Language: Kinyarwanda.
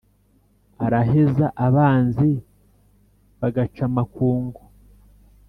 araheza abanzi ba gaca-makungu.